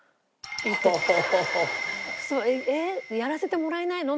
えっやらせてもらえないの？